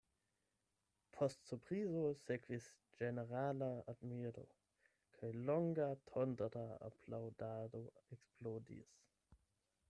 Post surprizo sekvis ĝenerala admiro, kaj longa tondra aplaŭdado eksplodis.